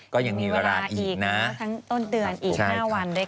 ก็ยังมีเวลาอีกนะทั้งต้นเดือนอีก๕วันด้วย